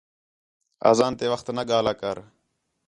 اذان تے وخت نہ ڳاھلا کر